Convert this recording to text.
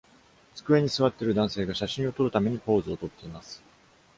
机に座っている男性が写真を撮るためにポーズをとっています。